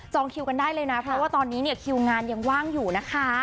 คิวกันได้เลยนะเพราะว่าตอนนี้เนี่ยคิวงานยังว่างอยู่นะคะ